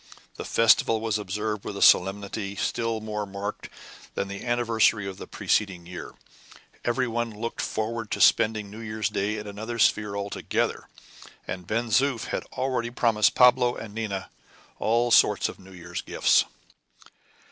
The festival was observed with a solemnity still more marked than the anniversary of the preceding year. Every one looked forward to spending New Year's Day in another sphere altogether, and Ben Zoof had already promised Pablo and Nina all sorts of New Year's gifts.